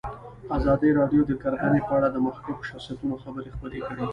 ازادي راډیو د کرهنه په اړه د مخکښو شخصیتونو خبرې خپرې کړي.